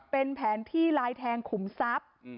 เป็นแผนที่ลายแทงขุมซับ